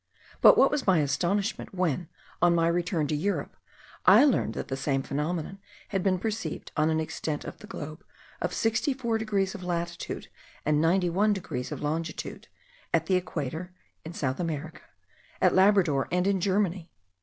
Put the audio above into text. But what was my astonishment, when, on my return to Europe, I learned that the same phenomenon had been perceived on an extent of the globe of 64 degrees of latitude, and 91 degrees of longitude; at the equator, in South America, at Labrador, and in Germany!